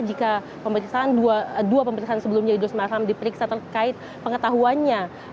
jika dua pemeriksaan sebelumnya idrus marham diperiksa terkait pengetahuannya